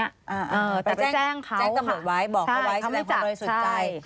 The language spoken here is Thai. ไปแจ้งเขาค่ะแจ้งทั้งหมดไว้บอกเขาไว้แสดงความบริสุทธิ์ใจ